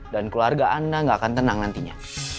dan keluarga anda gak akan tenang nantinya